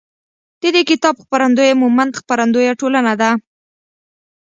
د دې کتاب خپرندویه مومند خپروندویه ټولنه ده.